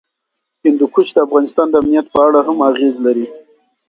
هندوکش د افغانستان د امنیت په اړه هم اغېز لري.